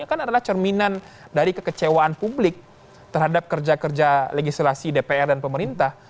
ini kan adalah cerminan dari kekecewaan publik terhadap kerja kerja legislasi dpr dan pemerintah